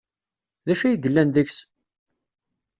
D acu ay yellan deg-s?